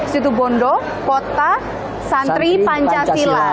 situbondo kota santri pancasila